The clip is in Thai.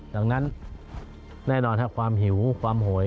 ดังนั้นแน่นอนครับความหิวความโหย